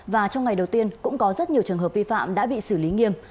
và trong ngày đầu tiên cũng có rất nhiều trường hợp vi phạm đã bị xử lý nghiêm